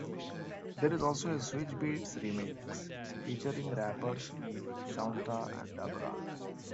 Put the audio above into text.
There is also a Swizz Beats remix featuring rappers Eve, Shaunta and Da Brat.